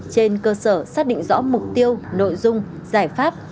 trên cơ sở xác định rõ mục tiêu nội dung giải pháp